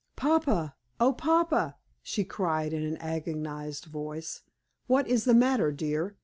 "Papa! oh, papa!" she cried in an agonized voice, "what is the matter, dear?